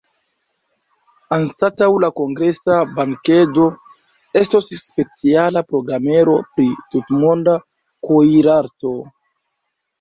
Anstataŭ la kongresa bankedo, estos speciala programero pri tutmonda kuir-arto.